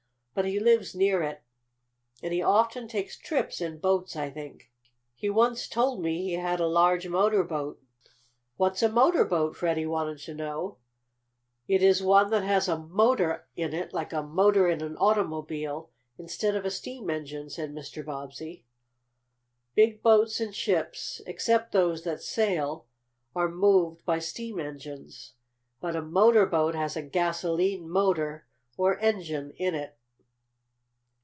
"But he lives near it, and he often takes trips in boats, I think. He once told me he had a large motor boat." "What's a motor boat?" Freddie wanted to know. "It is one that has a motor in it, like a motor in an automobile, instead of a steam engine," said Mr. Bobbsey. "Big boats and ships, except those that sail, are moved by steam engines. But a motor boat has a gasolene motor, or engine, in it."